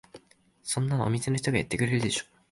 そんなのお店の人がやってくれるでしょ。